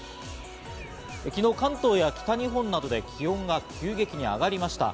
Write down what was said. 昨日、関東や北日本などで気温が急激に上がりました。